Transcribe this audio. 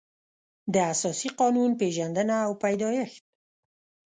د اساسي قانون پېژندنه او پیدایښت